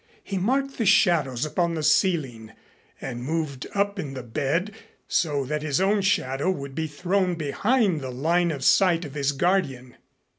He marked the shadows upon the ceiling and moved up in the bed so that his own shadow would be thrown behind the line of sight of his guardian.